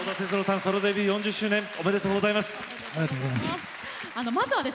ソロデビュー４０周年おめでとうありがとうございます。